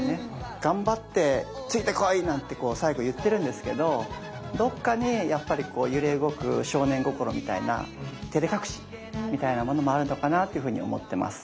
頑張って「ついて来い」なんてこう最後言ってるんですけどどっかにやっぱりこう揺れ動く少年心みたいなてれ隠しみたいなものもあるのかなっていうふうに思ってます。